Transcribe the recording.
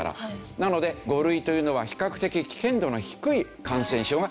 なので５類というのは比較的危険度の低い感染症が５類になる。